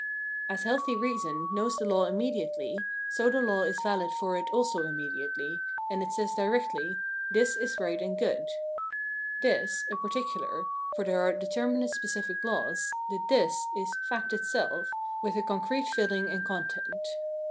As healthy reason knows the law immedi Reason as Laivgiver 413 ately, so the law is valid for it also immediately, and it says directly :" this is right and good ":" this," a particular, for there are determinate specific laws, the "this" is "fact itself" with a concrete filling and content.